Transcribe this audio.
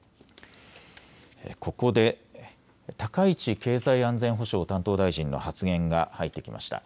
ここで高市経済安全保障担当大臣の発言が入ってきました。